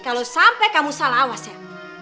kalau sampai kamu salah awas ya